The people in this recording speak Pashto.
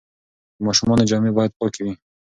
د ماشومانو جامې باید پاکې وي.